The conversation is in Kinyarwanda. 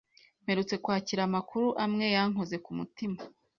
Mperutse kwakira amakuru amwe yankoze ku mutima.